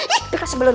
iih pika sebelun